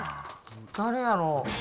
誰やろう。